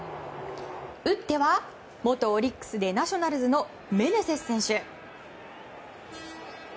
打っては元オリックスでナショナルズのメネセス選手。